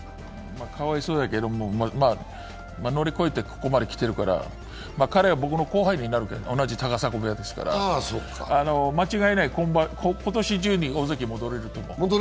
かわいそうだけど乗り越えて、ここまで来てるから彼は僕の後輩になるけど同じ高砂述部屋ですから間違いない、今年中に大関戻れると思う。